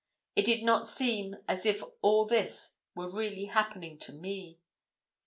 It did not seem as if all this were really happening to me.